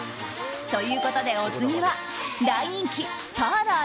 ということでお次は大人気パーラー